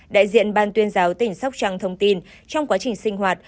đại diện ban tuyên giáo tỉnh sóc trăng thông tin trong quá trình sinh hoạt